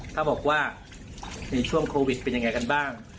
ก็บอกว่าช่วงโควิดเป็นอย่างไรกันบ้าง